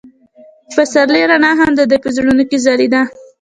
د پسرلی رڼا هم د دوی په زړونو کې ځلېده.